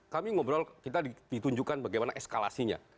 kami ngobrol kita ditunjukkan bagaimana eskalasinya